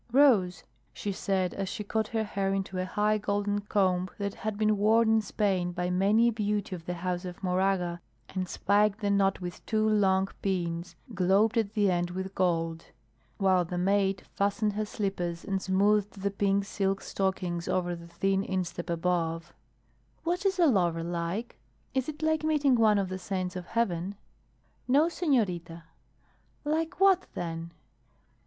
"Rose," she said, as she caught her hair into a high golden comb that had been worn in Spain by many a beauty of the house of Moraga, and spiked the knot with two long pins globed at the end with gold, while the maid fastened her slippers and smoothed the pink silk stockings over the thin instep above; "what is a lover like? Is it like meeting one of the saints of heaven?" "No, senorita." "Like what, then?"